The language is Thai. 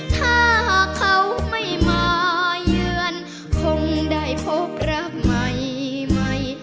ถ้าเขาไม่มาเยือนคงได้พบระหม่าย